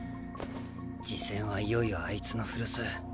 次戦はいよいよあいつの古巣